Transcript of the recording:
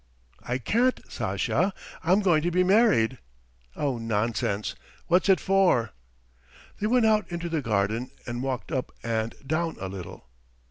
"I can't, Sasha, I'm going to be married." "Oh nonsense! What's it for!" They went out into the garden and walked up and down a little.